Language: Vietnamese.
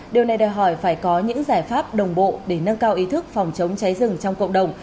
điều này đòi hỏi phải có những giải pháp đồng bộ để nâng cao ý thức phòng chống cháy rừng trong cộng đồng